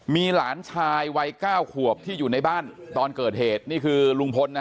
มีหลานชายวัย๙ขวบที่อยู่ในบ้านตอนเกิดเหตุนี่คือลุงพลนะ